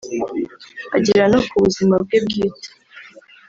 agera no ku buzima bwe bwite